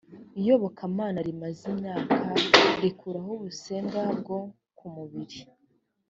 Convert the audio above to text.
iyobokamana rimaze imyaka rikuraho ubusembwa bwo ku mubiri